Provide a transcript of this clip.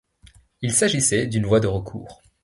Il s'agissait d'une voie de recours.